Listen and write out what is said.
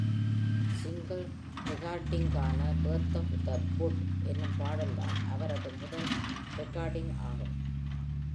Single ரெகார்டிங்கான “Birth of the Budd” என்னும் பாடல்தான் அவரது முதல் ரெகார்டிங் ஆகும்.